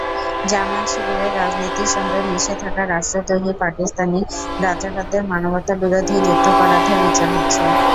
জামায়াত-শিবিরের রাজনীতির সঙ্গে মিশে থাকা রাষ্ট্রদ্রোহী পাকিস্তানি রাজাকারদের মানবতাবিরোধী যুদ্ধাপরাধের বিচার হচ্ছে।